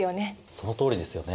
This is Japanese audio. そのとおりですよね。